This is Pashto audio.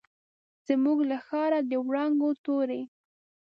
زموږ له ښاره، د وړانګو توري